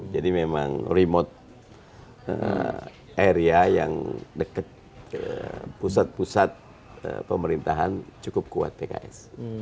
jadi memang remote area yang deket pusat pusat pemerintahan cukup kuat pks